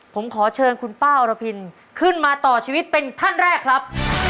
ผมขอเชิญคุณป้าอรพินขึ้นมาต่อชีวิตเป็นท่านแรกครับ